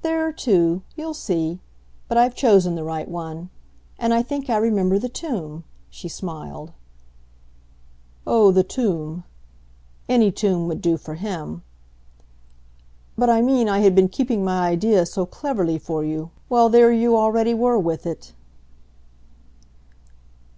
"There are two you'll see. But I've chosen the right one. And I think I remember the tomb," she smiled. "Oh, the tomb !" Any tomb would do for him. "But I mean I had been keeping my idea so cleverly for you, while there you already were with it."